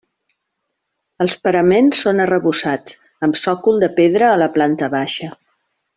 Els paraments són arrebossats, amb sòcol de pedra a la planta baixa.